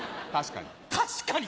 確かに。